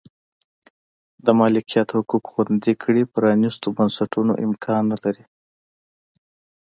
د مالکیت حقوق خوندي کړي پرانیستو بنسټونو امکان نه لري.